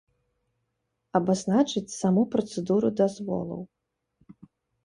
Абазначыць саму працэдуру дазволаў.